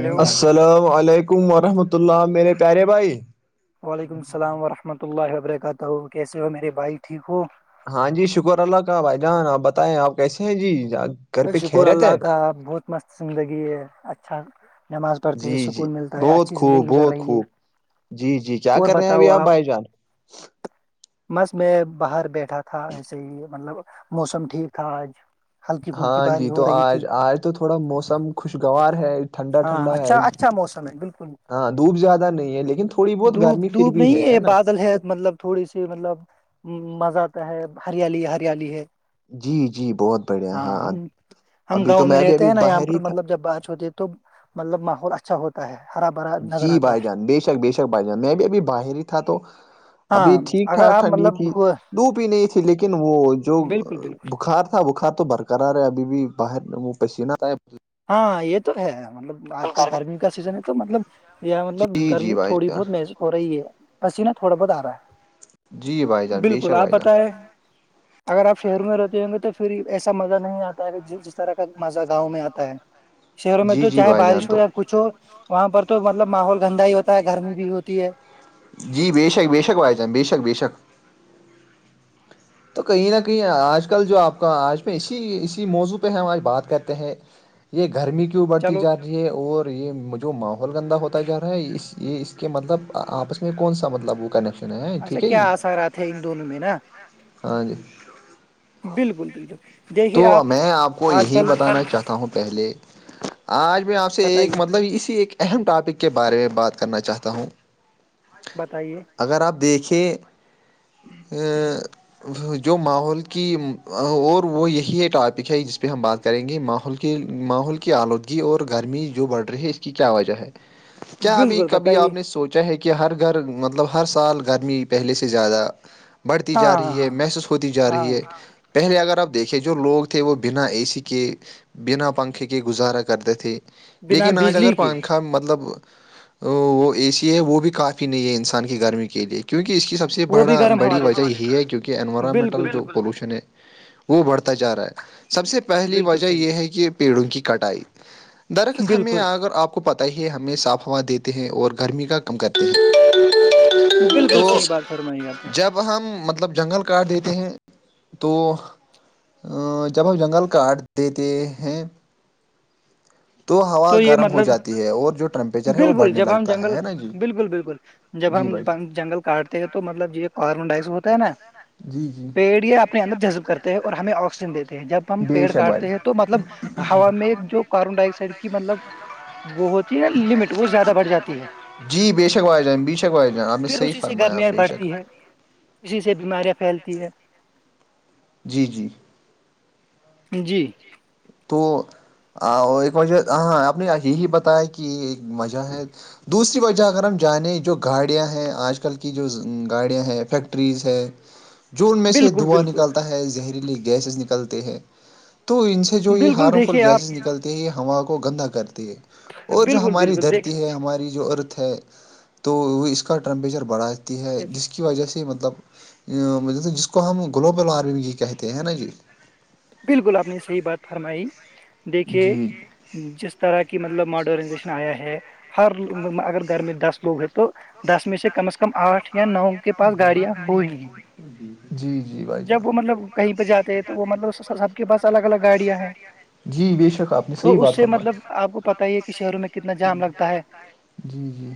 hello السلام علیکم ورحمۃ اللہ میرے پیارے بھائی وعلیکم السلام ورحمۃ اللہ وبرکاتہ کیسے ہو میرے بھائی ٹھیک ہو ہاں جی شکر اللہ کا بھائی جان آپ بتائیں آپ کیسے ہیں جی پہ شکر خیریت ہے اللہ کا بہت مست زندگی ہے اچھا نماز پڑھتے ہے جی جی سکون ملتا ہے بہت اچھی خوب زندگی گزر بہت رہی ہے خوب جی جی کیا اور کر رہے ہیں بتاؤ ابھی آپ بائی جان بس میں باہر بیٹھا تھا ایسے ہی مطلب موسم ٹھیک تھا آج ہلکی پھلکی ہاں بارش جی ہو تو رہی تھی آج آج تو تھوڑا موسم خوشگوار ہے ٹھنڈا ہاں ٹھنڈا ہے اچھا اچھا موسم ہے بالکل ہاں دھپ زیادہ نہیں ہے لیکن تھوڑی بہت دھوپ گرمی پھر دھوپ بھی نہیں ہے ہے یہ نا بادل ہے مطلب تھوڑی سی مطلب مزہ آتا ہے ہریالی ہریالی ہے جی جی بہت بڑھیا ہاں ہم ابھی تو گاؤں میں بھی رہتے ابھی ہیں نا یہاں باہر ہی پر تھا مطلب جب بارچ ہوتی ہے تو مطلب ماحول اچھا ہوتا ہے ہرا بھرا نظر آتا ہے بشک بی بجان میں بھی ابھی باہر ہی تھا تو ہے ابھی ہاں ٹھیک اگر ٹھاک آپ ٹھنڈی مطلب تھی ہو- دوپ ہی نہیں تھی لیکن وہ جو بالکل بالکل بخار بخار تو برقرار رہ ہے ابھی بھی باہر میں وہ پسینہ آ ہاں یہ تو ہے مطلب آج کل گرمی کا سیزن ہے تو مطلب یہ مطلب جی جی گرمی بھائی تھوڑی جان بہت محسوس ہو رہی ہے پسیینہ تھوڑا بہت آ رہا جی بھائی ہے جان بے بالکل شک آپ بھائی جان بتیں اگر آپ شہروں میں رہتے ہوں گے تو پھر ایسا مزہ نہیں آتا ہے کہ جس طرح کا مزہ گاؤں میں آتا ت شہروں میں جی تو جی چاہے بھائی جان بارش ہو تو یا کچھ ہو وہاں پر تو مطلب ماحول گندا ہی ہوتا ہے گرمی بھی ہوتی ہے جی بےشک بے شک بھائی جان بے شک بے شک تو کہیں نہ کہیں آج کل جو آپ کا آج پہ اسی اسی موضوع پہ ہم آج بات کرتے ہیں یہ گرمی کیوں بڑھ چلو جا رہی یہ اور یہ جو ماحول گندا ہوتا جا رہا ہے یہ اس کے مطلب آپس میں کون سا مطب وہ کنیکشن ہے اچھا ٹھیک ہے کیا جی آثارتے ہیں ان دونوں میں نا ہاں جی بالکل بالکل تو میں آپ کو آج یہی کل بتانا چاہتاوں ہوں پہلے آج میں آپ سے بتائیے ایک مطلب اسی ایک اہم ٹاپک کے بارے میں بات کرنا چاہتا ہوں بتائیے اگر آپ دیکھیں جو ماحول کی اور وہ یہی ٹاپک ہے جس پہ ہم بات کریں گے ماحول کے کہ ماحول کی آلودگی اور گرمی جو بڑھ رہی ہے اس کی کیا وجہ ہے کیا ابھی بالکل کبھی بتائیے آپ نے سوچا چاہے کہ ہر گھر مطلب ہر سال گرمی پہلے سے زیادہ بڑھتی ہاں جا ہاں رہی ہے محسوس ہوتی جا ہاں رہی ہاں ہے پہلے اگر آپ دیکھیے جو لوگ تھے وہ بنا اے سی کے بنا پنکھے کے گزارا کرتے تھے بنا لیکن آج بجلی اگر کے پنکھا مطلب وہ اے سی ہے وہ بھی کافی نہیں ہے انسان کی گرمی کے لیے کیونکہ اس کی سب سب سے وہ بڑا بھی گرم ہوا بڑی وجہ دیتا یہی ہے کیونکہ ہے انوائمنٹل بالکل جو بالکل پولوشن ہے وہ بڑھتا جا رہا ہے سب سے پہلی بالکل وجہ یہ صحیح ہے کہ پیڑوں کی کٹائی درخت ہمیں بالکل اگر آپ کو پتہ ہی ہے ہمیں صاف ہوا دیتے ہیں اور گرمی کا کم کرتے ہیں بالکل تو صحیح بات فرمائیی آپ نے جب ہم مطلب جنگل کاٹ دیتے ہیں تو ا جب ہم جنگل کاٹ دیتے ہیں ہوا تو یہ گرم ہو مطلب جاتی ہے اور جو ٹیمپریچر ہے وہ بالکل بڑھنے جب ہم لگتا ہے جنگل ہے نا جی بالکل بالکل جب جی ہم بھائی جنگل کاٹتے ہیں تو مطلب یہ کاربن ڈائیکسڈ ہوتا ہے نا جی جی پیڑ یہ اپنے اندر جذب کرتے ہیں اور ہمیں آکسیجن دیتے ہیں جب ہم بے پیڑ شک بھائی کاٹتے ہیں تو تو مطلب ہوا میں جو کاربن ڈائیکسائڈ کی مطلب وہ ہوتی ہے نا لمٹ وہ زیادہ بڑھ جاتی ہے جی بے شک بھائی جان بے شک بھائی جان آپ نے پھر صحیح اسی اس سے فرمایا گرمیاں بے شک بڑھتی ہے اسی سے بیماریاں پھیلتی ہے جی جی جی تو ایک وجہ ہ ہاں آپ نے یہی بتایا کہ کی ایک مزہ ہے دوسری وجہ اگر ہم جانے جو گاڑیاں ہیں آج کل کی جو گاڑیاں ہیں فیکٹریز ہے جو ان میں سے بالکل دواں بالکل نکلتا ہے زہریلی گیسز نکلتے ہے تو ان سے جو یہ بالکل ہارم فل دیکھیے آپ گیسز نکلتے ہی ہوا کو گندا کرتی ہے اور جو بالکل ہماری بالکل دیکھ دھرتی ہے ہماری جو ارتھ ہے تو اس کا ٹمپریچر بڑھاتی ہے جس کی کی وجہ سے مطلب جس کو ہم گلوبل وارمنگ ہی کہتے ہیں نا جی بالکل آپ سے بات فرمائی دیکھیے جی جس طرح کی مطلب ماڈرنائزیشن آیا ہے ہر اگر گھر میں دس لوگتے ہو گئے تو دس میں سے کم از کم آٹھ یا نو کے پاس گاڑیاں کوئی جی جی بھائی جان وہ مطلب جب کہیں پہ وہبہ ہیں تو وہ جاتے مطلب سب کے پاس ہیں الگ الگ ہیں گاڑیاں جی ب شک آپ نے صحیح تو اس بات سے فرمال مطلب کو پت ہی ہے آپ کہ شہروں میں کتنا جام لگتا ہے جی جی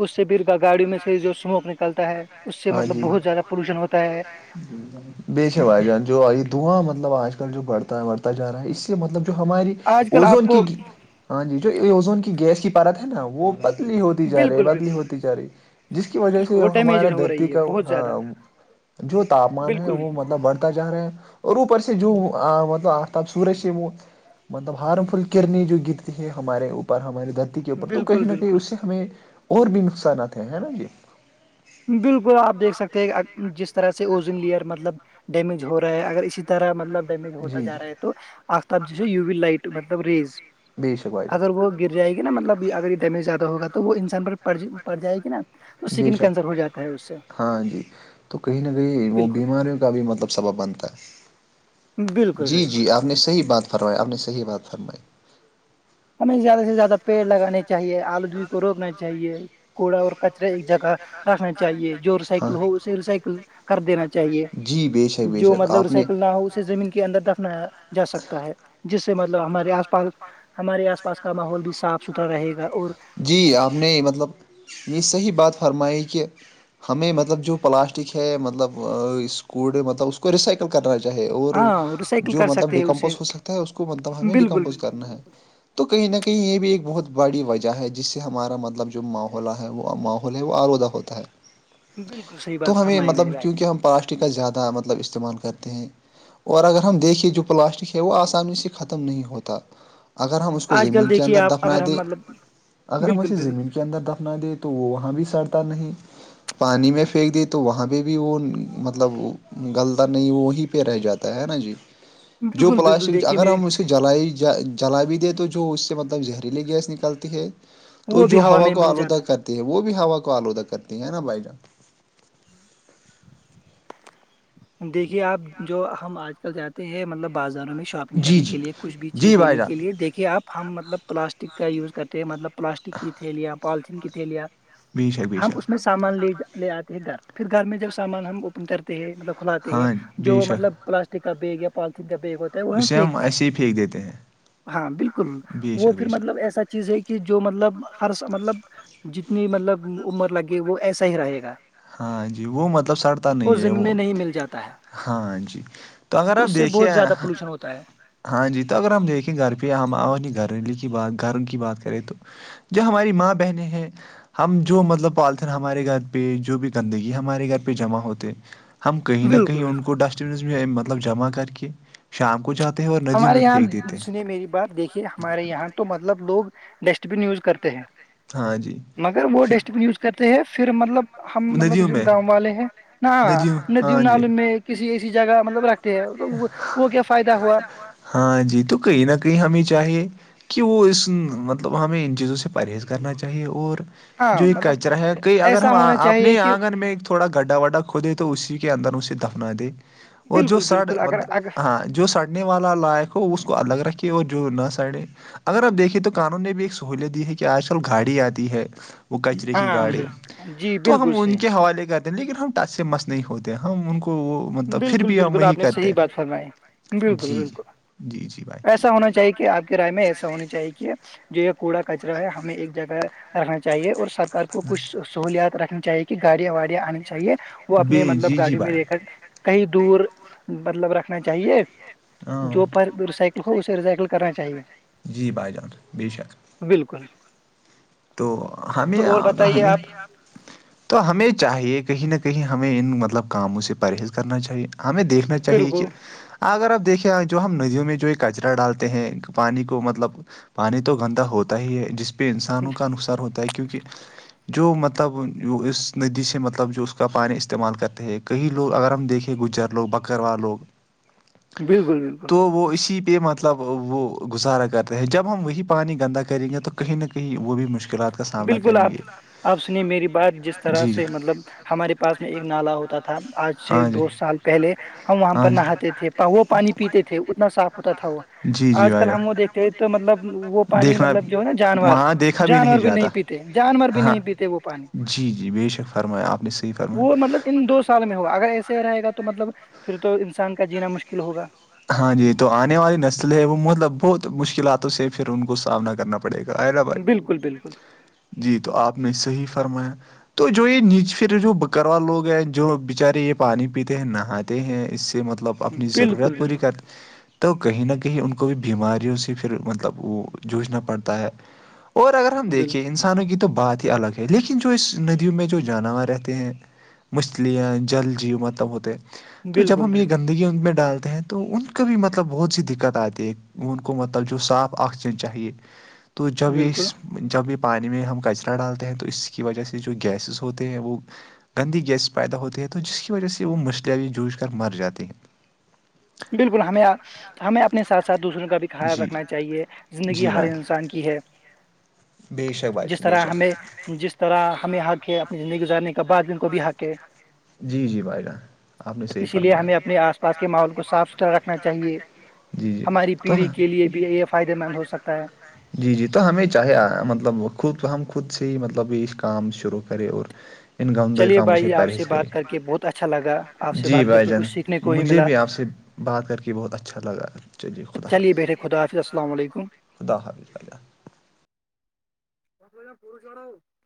اس سے پ کا گاڑی میں سے جو اسموک نکلتا ہے اس سے ہاں مطلب جی بہت زیادہ پولوشن ہوتا ہے بے شر بھائی جان جو دھواں مطلب آج کل جو بڑتا ہے بڑتا جا رہا ہے اس سے مطلب جو ہماری آج کل آپ اوزون کی کو ہاں جی جو اوزون کی گیس کی پارت ہے نا وہ بدلی ہوتی جا رہی ہے بالکل بدلی بالکل ہوتی جا رہی جس کی وجہ بالکل سے وہ ہمارا ڈیمیجڈ ہو دھرتی رہی ہے کا بہت زیادہ جو تاپمان ہے بالکل وہ مطلب بڑھتا جا رہا ہے اور اوپر سے جو مطلب ب سورج سے وہ مطلب ہارم فل کررنی جو گرتی ہے ہمارے اوپر ہماراری دت کے اوپر تو بالکل کہیں نہ کہیں بالکل اس سے ہمیں اور بھی نقصانات ہیں ہے نا ج بالکل آپ دیکھ سکتے ہیں جس طرح سے اوزن لیئر مطلب ڈیمیج ہو رہا ہے اگر اسی طرح مطلب ڈیمیج ہوتا جی جا جی رہا ہے تو آجتاب جیس یو ول لائٹ مطلب ریز بے شک بھائی اگر جان وہ گر جائے گی نا مطلب اگر یہ ڈیمیج زیادہ ہوگا تو وہ انسان پر پڑ جائے گی نا تو بے سیکن ہاں جی تو کہیں نہ کہیں وہ بالکل بیماریوں کا بھی مطلب سبب بنتا بالکل بالکل جی جی آپ نے صحیح بات فرمائی آپ نے صحیح بات فرمائی ہمیں زیادہ سے زیادہ پیڑ لگانے چاہیے آلودگی کو روکنا چاہیے کوڑا اور کچرا ایک جگہ رکھنا چاہیے جو ریسائیکل ہاں ہو اسے ریسائکل کر دینا چاہ چاہیے جی بے شک بے جو شک مطلب آپ نے ریسائکل نہ ہو اسے زمین کے اندر ر جا سکتا ہے جس سے مطلب ہمارے آس پاس ہمارے آس پاس کا ماحول بھی سب صاف ستھرا رہے گا اور جی آپ نے مطلب یہ صحیح بات فرمائی کہ ہمیں مطلب جو پلاسٹک ہے مطلب اس کوڑے مطلب اس کو ریسائکل کرنا چاہے اور ہاں ریسائیکل جو کر مطلب سکتے ہیں اسے ڈیکمپوز ہو سکتا ہے اس کو مطلب ہمیں بالکل ڈیکمپوز بالکل کرنا ہے بالکل تو کہیں نہ کہیں یہ بھی ایک بہت بڑی وجہ ہے جس سے ہمارا مطلب جو ماحلہ ہے وہ ماحول ہے وہ آلودہ ہوتا ہے بالکل صحیح بات تو ہمیں فرمائی میرے مطلب بھائی کیونکہ ہم پلاسٹک کا زیادہ مطلب استعمال کرتے ہیں اور اگر ہم دیکھے جو پلاسٹک ہے وہ آسانی سے ختم نہیں ہوتا اگر ہم اس کو آج زمین کل کے دیکھیے اندر آپ دفنا اگر ہم دیں مطلب اگر ہم بالکل اسے بالکل زمین اندر دفنا دے تو وہاں بھی سڑتا نہیں پانی میں پھینک دیے تو وہاں پہ بھی وہ مطلب گلتا نہیں وہیں پہ رہ جاتا ہے نا جی جو بالکل بالکل پلاسٹک دیکھیے اگر میرے ہم اس کے تو جلائی ج جلا بھی دے تو جو اس سے مطلب زہریلی گیس نکلتی ہے تو وہ جو بھی ہوا میں کو مل جاتا آلودہ کرتی ہے وہ بھی ہوا کو آلودہ کرتی ہے نا بھائی جان دیکھیے آپ جو ہم آج کل جاتے ہیں مطلب بازاروں میں ش شاپنگ جی کرنے کے لیے کچھ بھی چیز جی بھائی لینے کے جان لیے دیکھیے آپ ہم مطلب پلاسٹک کا یوز کرتے ہیں مطلب پلاسٹک کی تھیلیاں پالتھین کی تھیلیاں ہم اس میں سامان لے لے آتے ہیں گھر پھر گھر میں جب سامان ہم اوپن کرتے ہیں مطلب کھلاتے ہیں ہاں بے جو مطلب شک پلاسٹک کا بیگ پالتین کا بیگ ہو وہ ہم اسے پھینکتے ایسے ہی پھینک دیتے ہیں ہاں بالکل بے شک وہ بے پھر شک مطلب ایسا چیز ہے کہ جو مطلب ہر مطلب جتنی مطلب عمر لگے وہ ایسا ہی رہے گا ہاں جی وہ مطلب سڑتا اور نہیں ہے زمین وہ میں نہیں مل جاتا ہے ہاں جی تو اگر آپ اس سے دیکھے بہت زیادہ پولوشن ہوتا ہے ہاں جی تو اگر ہم دیکھیں گھر پہ ہم نہیں گھریلو کی بات گھر کی بات کریں تو جو ہماری ماں بہنیں ہیں ہم جو مطلب پالتےن ہمارے گھر پہ جو بھی گندگی ہمارے گھر پہ جمع ہوتے ہم کہیں نہ کہیں بالکل ان کو ڈسٹ میںم مطلب جمع کر کہ شام کو جاتے ہیں اور ندیوں ہمارے میں یہاں پھینک دیتے ہیں س نے میری بات دیکھی ہمارے یہاں تو مطلب لوگ ڈسٹ بین یوز کرتے ہیں ہاں جی مگر وہ پھر ڈسٹ بین یوز کر کرتے ہیں پھر مطلب ہم مطلب ندیوں میں گاؤں والے ہیں نا ندیوں ن ہاں جیونال جی میں کسی ایسی جگہ مطلب رکھتے ہیں وہ کیا فائدہ ہوا ہاں جنی تو کہیں نہ کہیں ہممییں چاہے کہ وہ اس مطلب ہمیں ان چیزوں سے پرہیز کرنا چاہیے اور ہاں جو ایک مطلب کچرا ہے کہئی اگر ایسا ہم ہونا چاہیے اپنے کہ آنگن میں تھوڑا گڈھا وڈا کھ دے تو اسی کے اندر اسے دفنا دے اور جو بالکل سڑ بالکل اگر ا ہاں جو سڑنے والا لائق ہو اس کو الگ رکھے اور جو نہ سڑے اگر آپ دیکھیے تو قانون نے بھی ایک سہوولت دی ہے کہ آج کل گاڑی آتی ہے وہ کچرے کی ہاں گاڑی بال- جی تو بالکل ہم ان صحیح کے حوالے کر لیکن ہم ٹچ سے مس نہیں ہوتے ہم ان کو وہ مطلب پھر بھی ہم وہی کر ی بات فرمائے بالکل بالکل جی جی بھائی ایسا ہونا چاہیے آ کی رائے میں ایسا ہونی چاہیے جو یہ کوڑا کچرا ہے ہمیں ایک جگہ رکھنا چاہیے اور سرار کو کچھ سہولیات رکھنی چاہیے کہ کہ گاڑیاں واڑیاں آنی چاہیے وہ بے اپنے جی مطلب جی گاڑیوں میں بھائی لے کر کہیں دور مطلب رکھنا چاہیے ہاں جو پر ریسائکل کو اسے ریسائیکل کرنا چاہیے جی بھائی جان بے شک بالکل تو ہمیں تو اور اگر بتائیے ہمیں آپ تو ہمیں چاہیے کہیں نہ کہیں ہمیں ان مطلب کاموں سے پرہیز کرنا چاہیے ہمیں دیکھ میں چاہیے کہ بالکل اگر آپ دیکھیں جو ہم ندیوں میں جو ہے کچرا ڈالتے ہیں پانی کو مطلب پانی تو گندا ہوتا ہی ہے جس پہ انسانوں کا نقصان ہوتا ہے کیونکہ جو مطلب اس ندی سے مطلب جو اس کا پانی استعمال کرتے ہے ایک کہیں لوگ اگر ہم دیکھیں گجر لوگ بکروا لوگ بالکل بالکل تو وہ اسی مطلب وہ گزارا کرتے ہیں جب ہم وہی پانی گندا کریں گے تو کہیں نہ کہیں وہ بھی مشکلات کا سامنا بالکل کریں آپ گے آپ سنیے میری بات جس طرح جی جی سے مطلب ہمارے میں ایک پاس نالا ن ہوتا آج تھا سے ہاں جی دو سال پہلے ہم وہاں ہلےاں پر نہاتے تھے پا- وہ جیات تھ پانی پیتے تھے وہیتے اتنا صاف ہوتا تھا وہ تھ جی جی آج بھائی کل جہ ہم وہ دیکھتے ہیں تو مطلب وہ پانی دیکھنا مطلب جو ہے نا جانور وہاں دیکھ بھی نہیں جانور جاتا پیتے جانور بھی ہاں نہیں پیتے وہ پانی جی جی بے شک فرمایا آپ اپنی صحیح فم ہے وہ مطلب ان دو سال میں ہو اگر ایسے رہے گا تو مطلب پھر تو انسان کا جینا مشکل ہوگا ہاں جی تو آنے والی نسل ہے وہ مطلب بہت مشکلاتوں سے پھر ان کو سامنا کرنا پ پڑے گا حرآبائی بالکل بالکل جی تو آپ نے صحیح فرمایا تو جو یہ نیچ پھر جو بکروا لوگ ہیں جو بیچارے یہ پانی پیتے ہیں نہاتے ہیں اس سے مطلب اپنی بالکل ضرورت پوری بالکل کرے تو کہیں نہ کہیں ان کو بھی بیماریوں سے پھر مطلب وہ جووجھنا پڑتا ہے اور اگر ہم بال دیکھے انسانوں کی تو بات ہی الگ ہے لیکن جو اس ندیوں میں جو جانور رہتے ہیں مچھلیاں جل جی متب ہوتے تو جب بالکل ہم یہ بالکل گندگی ان میں ڈالتے ہیں تو ان کو بھی مطلب بہت سی دقت آتی ہے ان کو مطلب جو صاف آکسیجن چاہیے تو بالکل جبس جب بھی پانی میں ہم کچرا ڈالتے ہیں تو اس کی وجہ سے جو گیسز ہوتے ہیں وہ گندی گیس پیدا ہوتے ہے تو جس کی وجہ سے وہ مچھلیاں بھی جوجھ کر مر جاتے ہیں بالکل ہمیں ہمیں اپنے ساتھ ساتھ دوسروں کا بھی خیال جی رکھنا چاہیے زندگی جی ہر بھائی انسان کی ہے بے شک بھائی جس جان بے طرح ہم شک جس طرح ہمیں حق ہے اپنی زندگی گزارنے کے جی جی بھائیڈا آپ نے صحی فرمایا اپنے آس پاس مت کو صاف ستھرا رکھنا چاہیے جی جیلی کے لیے بجلی فائدے مند ہو سکتا ہے جی جی تو ہمیں چاہے مطلب خود ہم خود سے ہی مطلب کام شروع کرے اور گندو چلیے کاموں سے بھائی آپ پرہیز کرے بات کر کے بہت اچھا لگا آپ سے جی بات کر بھائی کے جان کچھ سیکھنے کو ہی مجھے ملا بھی آپ سے بات کر کے بہت اچھا لگا چلیے خدا چلیے حافظ بیٹھے خدا حافظ السلام علیکم خدا حافظا